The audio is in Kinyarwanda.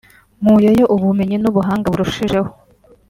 “Nkuyeyo ubumenyi n’ubuhanga burushijeho